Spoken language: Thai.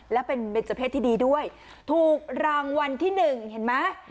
และเป็นเบนเจอร์เพศที่ดีด้วยถูกรางวัลที่หนึ่งเห็นไหม